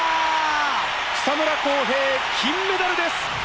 草村航平金メダルです！